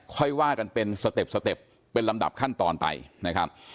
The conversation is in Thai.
ค่อยว่ากันเป็นสเต็ปสเต็ปเป็นลำดับขั้นตอนไปนะครับ